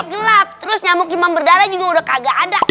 gelap terus nyamuk demam berdarah juga udah kagak ada